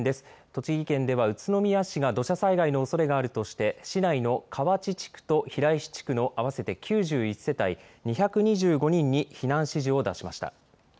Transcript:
栃木県では宇都宮市が土砂災害のおそれがあるとして市内の河内地区と平石地区の合わせて９１世帯２２５人に避難指示を出しました。